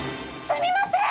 ・すみません！